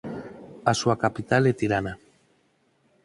A súa capital é Tirana.